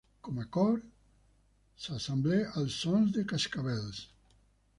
Com a cor, s'assemblen als sons de cascavells.